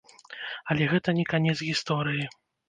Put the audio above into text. Але гэта не канец гісторыі.